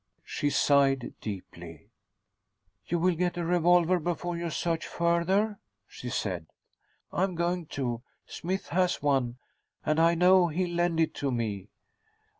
She sighed deeply. "You will get a revolver before you search further?" she said. "I'm going to. Smythe has one, and I know he'll lend it to me."